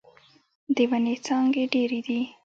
د ونې څانګې ډيرې دې.